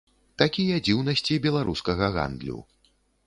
Такія дзіўнасці беларускага гандлю.